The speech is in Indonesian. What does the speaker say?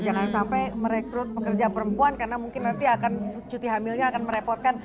jangan sampai merekrut pekerja perempuan karena mungkin nanti akan cuti hamilnya akan merepotkan